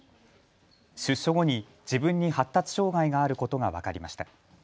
出所後に自分に発達障害があることが分かりました。